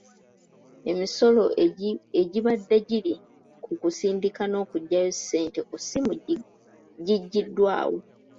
Emisolo egibadde giri ku kusindika n'okuggyayo ssente ku masimu gigyiddwawo.